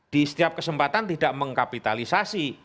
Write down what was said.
di setiap kesempatan tidak mengkapitalisasi